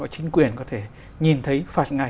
chính quyền có thể nhìn thấy phạt ngay